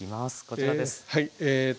こちらです。